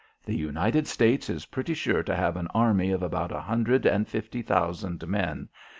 The United States is pretty sure to have an Army of about a hundred and fifty thousand men.